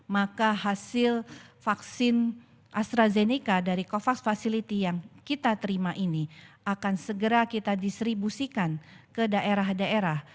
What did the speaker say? maka hasil vaksin astrazeneca dari covax facility yang kita terima ini akan segera kita distribusikan ke daerah daerah